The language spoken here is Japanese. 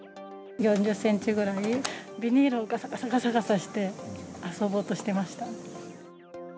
４０センチぐらい、ビニールをがさがさがさがさして、遊ぼうとしてました。